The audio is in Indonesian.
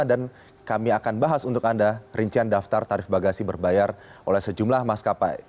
dan kami akan bahas untuk anda rincian daftar tarif bagasi berbayar oleh sejumlah maskapai